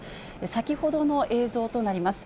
先ほどの映像となります。